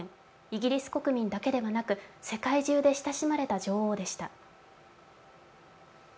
イギリス国民だけでなく世界中で親しまれた女王でした。